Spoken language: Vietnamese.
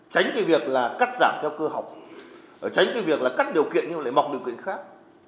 tránh cái việc là cắt giảm theo cơ học tránh cái việc là cắt điều kiện nhưng lại mọc điều kiện khác